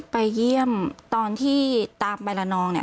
ไปเยี่ยมตอนที่ตามไปละนองเนี่ย